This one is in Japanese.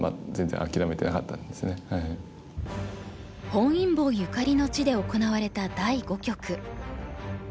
本因坊ゆかりの地で行われた第五局。